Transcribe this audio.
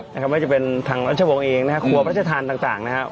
ไม่ว่าจะเป็นทางรัชวงศ์เองนะครับครัวพระราชทานต่างนะครับ